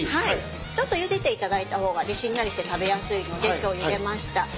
ちょっとゆでていただいた方がしんなりして食べやすいので今日ゆでました。